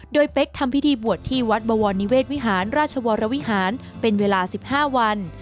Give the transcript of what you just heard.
โดยเป๊กทำพิธีบวชที่วัดบวรนิเวศวิหารราชวรวิหารเป็นเวลา๑๕วัน